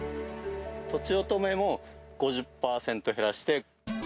とちおとめを５０％減らして。